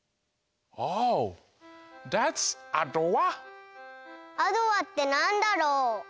Ｏｈ．アドワってなんだろう？